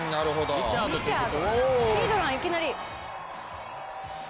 ヒードランいきなり。